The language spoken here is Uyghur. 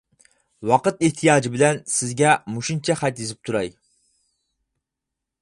ۋاقىت ئېھتىياجى بىلەن سىزگە مۇشۇنچە خەت يېزىپ تۇراي.